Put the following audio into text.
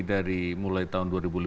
dari mulai tahun dua ribu lima belas